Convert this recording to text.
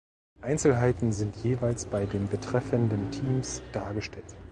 Einzelheiten sind jeweils bei den betreffenden Teams dargestellt.